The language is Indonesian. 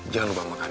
jangan lupa makan